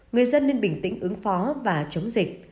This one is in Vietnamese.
người dân nên bình tĩnh ứng phó và chống dịch